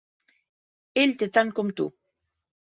Ell té tant com tu.